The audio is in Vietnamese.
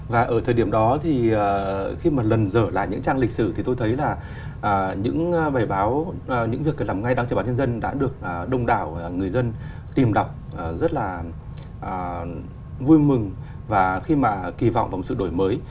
và ở thời điểm đó thì khi mà lần dở lại những trang lịch sử thì tôi thấy là những bài báo những việc làm ngay đăng trên báo nhân dân đã được đông đảo người dân tìm đọc rất là vui mừng và khi mà kỳ vọng vào một sự đổi mới